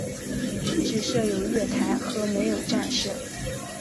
只设有月台而没有站舍。